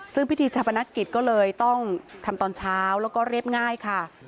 ซึ่งพิธีชาปนกิจก็เลยต้องทำตอนเช้าแล้วก็เรียบง่ายค่ะ